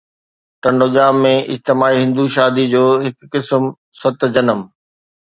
ٽنڊوڄام ۾ اجتماعي هندو شادي جو هڪ قسم، ست جنم